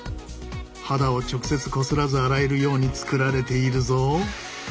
肌を直接こすらず洗えるように作られているぞ。